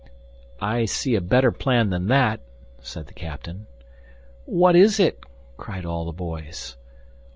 "I see a better plan than that," said the captain. "What is it?" cried all the boys.